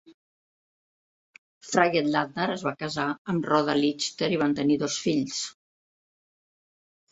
Friedlander es va casar amb Rhoda Lichter i van tenir dos fills.